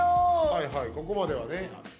はいはいここまではね。